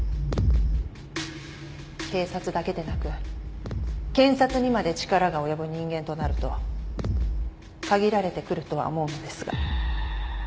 警察だけでなく検察にまで力が及ぶ人間となると限られてくるとは思うのですが。